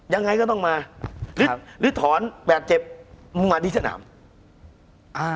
ยังไงก็ต้องมาลื้อถอนแบบเจ็บมาที่สนามอ่า